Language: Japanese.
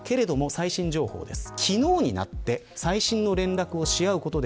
最新情報です。